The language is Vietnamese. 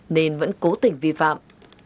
nên vẫn cố tình vi phạm